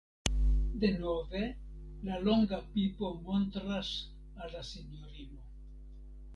Denove la longa pipo montras al la sinjorino.